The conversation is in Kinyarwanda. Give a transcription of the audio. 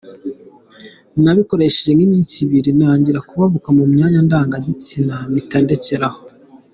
Nabikoresheje nk’iminsi ibiri ntangira kubabuka mu myanya ndangagitsina, mpita ndekera aho.